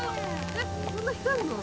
えっこんな光んの？